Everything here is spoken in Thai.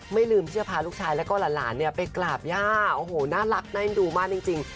ไม่ลืมที่จะพาลูกชายและก็หลานไปกราบย่าโอ้โหน่ารักน่าให้ดูมากจริง